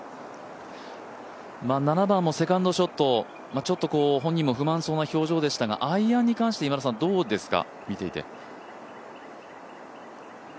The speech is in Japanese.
７番もセカンドショット、ちょっと本人も不満そうな表情でしたがアイアンに関して見ていてどうですか？